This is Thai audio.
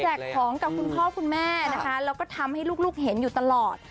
ของกับคุณพ่อคุณแม่นะคะแล้วก็ทำให้ลูกเห็นอยู่ตลอด